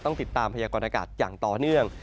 ต้องติดตามพยากรณากาศอย่างต่อเนื่อง